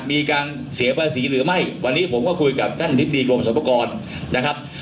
มีการเสียภาษีหรือไม่วันนี้ผมก็คุยกับท่านอธิบดีกรมสรรพากรนะครับ